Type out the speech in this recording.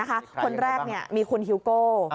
คนแรกมีคุณฮิวโก้